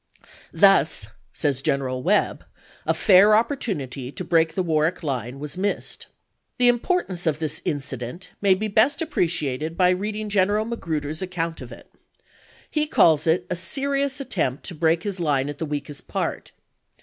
"Thus," says General Webb, "a fair oppor tunity to break the Warwick line was missed." The importance of this incident may be best appreciated by reading General Magi'uder's account of it. He calls it a serious attempt to break his vol xi., Part I line at the weakest part.